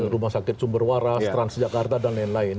rumah sakit cumberwaras transjakarta dan lain lain